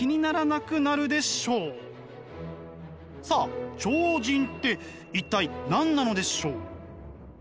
さあ超人って一体何なのでしょう？